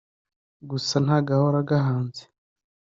Gusa nta gahora gahanze